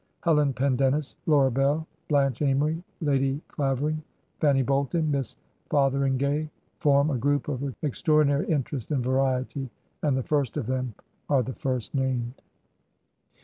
Helen Pendennis, Laura Bell, Blanche Amory, Lady Clavering, Fanny Bolton, Miss Fotheringay form a group of extraordinary interest and variety, and the first of them are the first named.